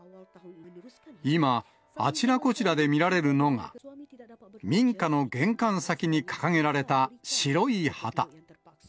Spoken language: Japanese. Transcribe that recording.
今、あちらこちらで見られるのが、民家の玄関先に掲げられた白い旗。